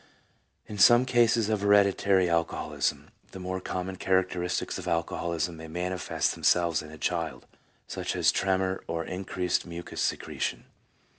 In some cases of hereditary alcoholism, the more common characteristics of alcoholism may manifest themselves in a child, such as tremor, and increased mucous secretion.